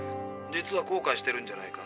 実は後かいしてるんじゃないか？